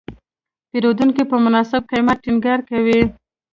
پیرودونکی په مناسب قیمت ټینګار کوي.